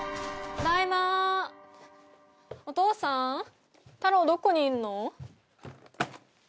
お父さんタローどこにいんの？